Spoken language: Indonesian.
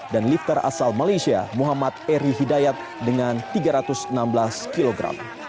dan lifter asal malaysia muhammad erwin hidayat dengan tiga ratus enam belas kg